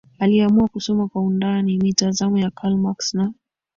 Aliamua kusoma kwa undani mitazamo ya Karl Marx na